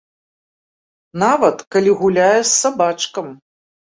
Нават, калі гуляе з сабачкам.